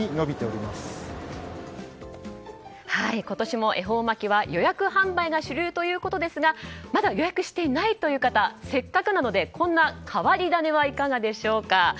今年も恵方巻きは予約販売が主流ということですがまだ予約していないという方せっかくなのでこんな変わり種はいかがでしょうか。